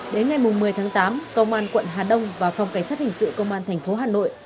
đến ngày một mươi tám công an quận hà đông và phòng cảnh sát hình sự công an tp hà nội